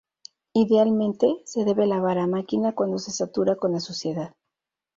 Idealmente, se debe lavar a máquina cuando se satura con la suciedad.